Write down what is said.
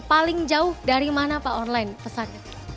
paling jauh dari mana pak online pesannya